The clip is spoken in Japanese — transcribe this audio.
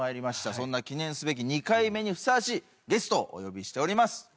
そんな記念すべき２回目にふさわしいゲストをお呼びしております。